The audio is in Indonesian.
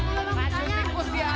gue cinta banget ya